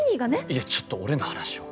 いやちょっと俺の話を。